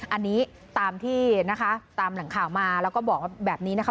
อันนี้ตามที่นะคะตามแหล่งข่าวมาแล้วก็บอกแบบนี้นะคะ